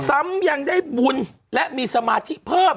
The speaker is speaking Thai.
ซ้ำยังได้บุญและมีสมาธิเพิ่ม